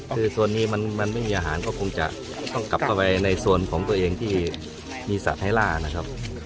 คือโซนนี้มันไม่มีอาหารก็คงจะต้องกลับเข้าไปในโซนของตัวเองที่มีสัตว์ให้ล่านะครับ